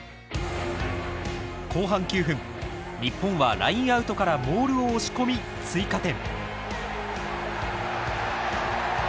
後半９分日本はラインアウトからモールを押し込み追加点。